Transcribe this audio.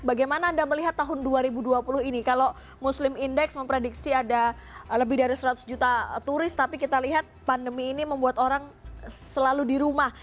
bagaimana anda melihat tahun dua ribu dua puluh ini kalau muslim index memprediksi ada lebih dari seratus juta turis tapi kita lihat pandemi ini membuat orang selalu di rumah